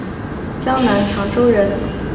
江南长洲人。